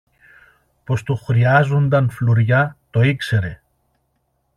Πως του χρειάζουνταν φλουριά, το ήξερε.